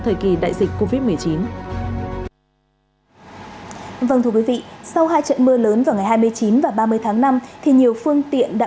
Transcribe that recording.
thời kỳ đại dịch covid một mươi chín sau hai trận mưa lớn vào ngày hai mươi chín và ba mươi tháng năm nhiều phương tiện đã